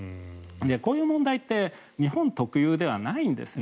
こういう問題って日本特有ではないんですね。